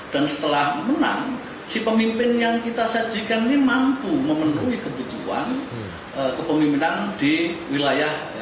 dan setelah menang si pemimpin yang kita sajikan ini mampu memenuhi kebutuhan kepemimpinan di wilayah